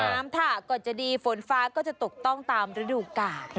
น้ำท่าก่อนจะดีฝนฟ้าก็จะตกต้องตามฤดูกกาก